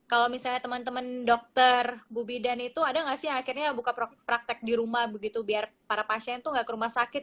kalau misalnya teman teman dokter bu bidan itu ada nggak sih yang akhirnya buka praktek di rumah begitu biar para pasien tuh nggak ke rumah sakit